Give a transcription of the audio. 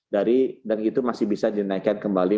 dan itu masih bisa dinaikkan kembali